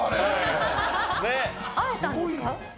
会えたんですか？